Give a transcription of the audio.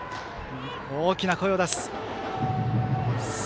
大きな声を出します。